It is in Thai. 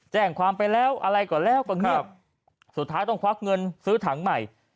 แจ้งความไปแล้วอะไรก่อนแล้วก็เงียบสุดท้ายต้องควักเงินซื้อถังใหม่